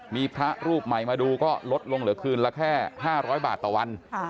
มีพระรูปใหม่มาดูก็ลดลงเหลือคืนละแค่๕๐๐บาทต่อวัน